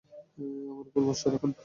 আমার উপর ভরসা রাখুন।